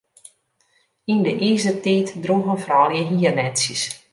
Yn de Izertiid droegen froulju hiernetsjes.